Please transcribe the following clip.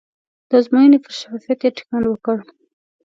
د ازموینې پر شفافیت یې ټینګار وکړ.